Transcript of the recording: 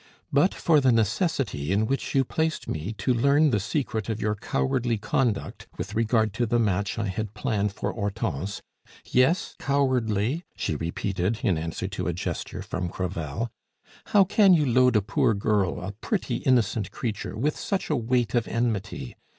But for the necessity in which you placed me to learn the secret of your cowardly conduct with regard to the match I had planned for Hortense yes, cowardly!" she repeated, in answer to a gesture from Crevel. "How can you load a poor girl, a pretty, innocent creature, with such a weight of enmity?